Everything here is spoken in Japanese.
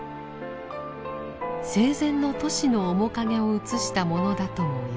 生前のトシの面影を写したものだともいわれています。